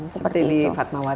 seperti di fatmawati